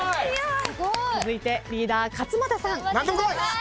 続いてリーダー勝俣さん。何でも来い！